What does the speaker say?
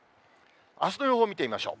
あすの予報を見てみましょう。